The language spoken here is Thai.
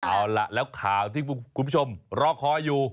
เอาล่ะแล้วข่าวที่คุณผู้ชมรอคอยอยู่